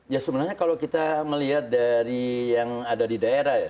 ya sebenarnya kalau kita melihat dari yang ada di daerah ya